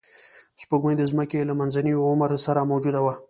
سپوږمۍ د ځمکې له منځني عمر سره موجوده وه